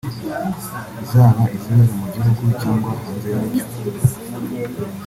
zaba izibera mu gihugu cyangwa hanze yacyo